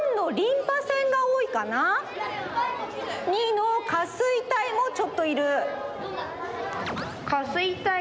②の下垂体もちょっといる。